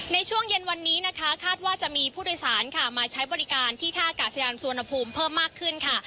ในช่วงเย็นวันนี้นะคะคาดว่าจะมีผู้โดยสารค่ะมาใช้บริการที่ท่ากาศยานสุวรรณภูมิเพิ่มมากขึ้นค่ะ